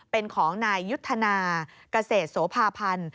เป็นของนายยุทธนาเกษตรโสภาพันธ์